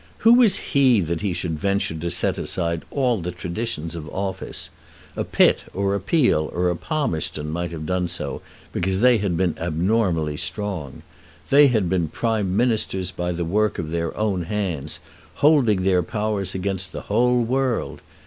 Who was he that he should venture to set aside all the traditions of office? A Pitt or a Peel or a Palmerston might have done so, because they had been abnormally strong. They had been Prime Ministers by the work of their own hands, holding their powers against the whole world.